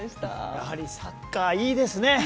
やはりサッカーいいですね。